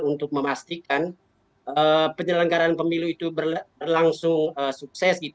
untuk memastikan penyelenggaran pemilu itu berlangsung sukses